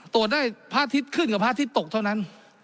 ตรวจได้พระอาทิตย์ขึ้นกับพระอาทิตย์ตกเท่านั้น